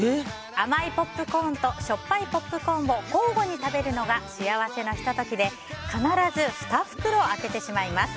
甘いポップコーンとしょっぱいポップコーンを交互に食べるのが幸せのひと時で必ず２袋開けてしまいます。